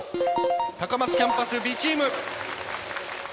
高松キャンパスＢチーム。